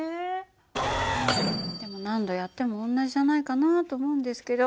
でも何度やっても同じじゃないかなと思うんですけど。